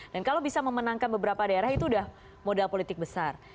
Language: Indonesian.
dan kalau bisa memenangkan beberapa daerah itu sudah modal politik besar